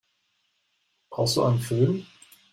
Brauchst du einen Fön?